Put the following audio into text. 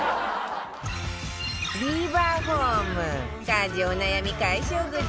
ビバホーム家事お悩み解消グッズ